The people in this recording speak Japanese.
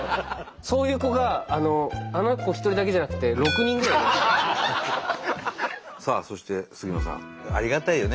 そういう子があの子一人だけじゃなくてさあそして杉野さんありがたいよね。